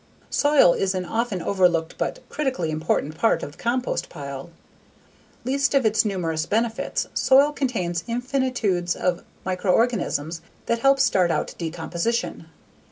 Soil is an often overlooked but critically important part of the compost pile. Least of its numerous benefits, soil contains infinitudes of microorganisms that help start out decomposition.